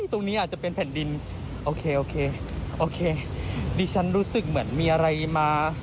ตรงนี้อาจจะเป็นแผ่นดินโอเคโอเคดิฉันรู้สึกเหมือนมีอะไรมา